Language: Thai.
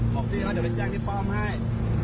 ตกที่เราจะไปจังที่ป้อมให้